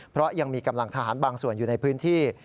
เพราะยังมีกำลังทหารบางส่วนอยู่ในพื้นที่